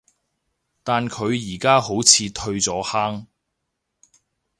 但佢而家好似退咗坑